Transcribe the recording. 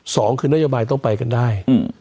สองคือนโยบายต้องไปกันได้